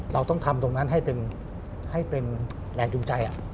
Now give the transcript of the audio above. เราต้องทำตรงนั้นให้เป็นแรงจูงใจ